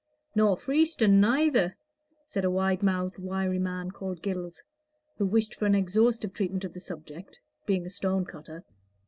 "Nor freeston', nayther," said a wide mouthed wiry man called Gills, who wished for an exhaustive treatment of the subject, being a stone cutter.